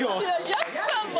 安さんも。